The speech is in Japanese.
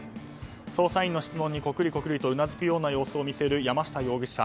捜査員の質問にこくりとうなずく様子を見せる山下容疑者。